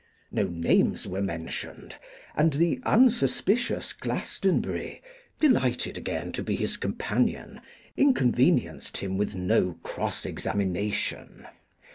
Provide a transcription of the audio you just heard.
No names were mentioned, and the unsuspicious Glastonbury, delighted again to be his companion, inconvenienced him with no cross examination.